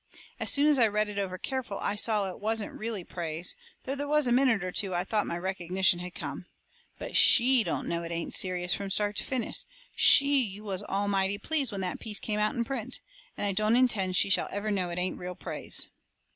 As soon as I read it over careful I saw it wasn't really praise, though there was a minute or two I thought my recognition had come. But SHE don't know it ain't serious from start to finish. SHE was all mighty pleased when that piece come out in print. And I don't intend she ever shall know it ain't real praise."